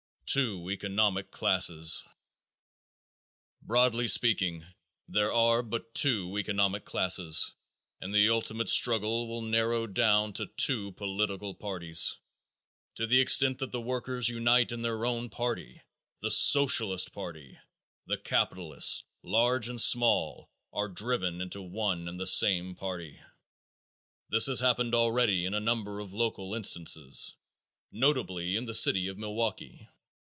Two Economic Classes. Broadly speaking, there are but two economic classes and the ultimate struggle will narrow down to two political parties. To the extent that the workers unite in their own party, the Socialist party, the capitalists, large and small, are driven into one and the same party. This has happened already in a number of local instances, notably in the City of Milwaukee.